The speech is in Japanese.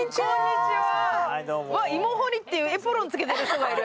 芋掘りってエプロンを着けている人がいる。